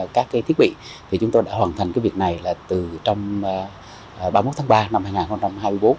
các thiết bị thì chúng tôi đã hoàn thành cái việc này là từ trong ba mươi một tháng ba năm hai nghìn hai mươi bốn